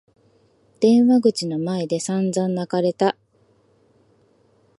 電話口の前で散々泣かれた。